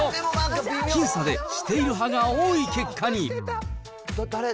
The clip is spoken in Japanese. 僅差でしてる派が多い結果に。